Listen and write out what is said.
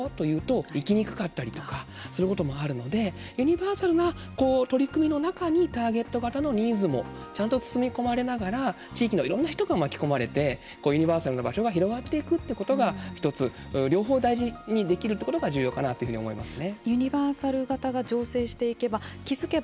例えば誰々のための場所ですよというと行きにくかったりとかすることもあるのでユニバーサルな中にターゲット型のニーズもちゃんと包み込まれながら地域のいろんな人が巻き込まれてユニバーサルな場所が広がっていくということが１つ両方大事にできるということが重要かなというふうに思いますね。